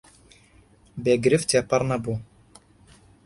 بێ گرفت تێپەڕ نەبووە